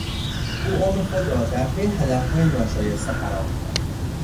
او عمر خود را در پی هدفهای ناشایسته حرام کرد.